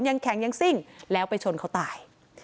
ยังแข็งยังซิ่งแล้วไปชนเขาตาย